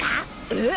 えっ？